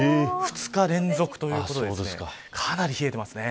２日連続ということでかなり冷えてますね。